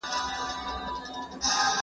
د صفوي پاچاهانو بې غوري د افغانانو بریا شوه.